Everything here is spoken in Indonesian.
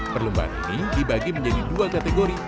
perlombaan ini dibagi menjadi dua kategori